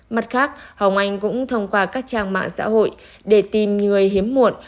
mặt khác hồng anh cũng thông qua các trang mạng xã hội để tìm người hiếm muộn